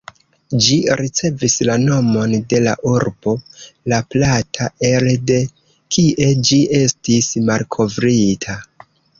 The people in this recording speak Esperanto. Ĝi ricevis la nomon de la urbo "La Plata", elde kie ĝi estis malkovrita.